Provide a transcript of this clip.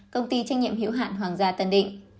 công ty trách nhiệm hiệu hạn hoàng gia tân định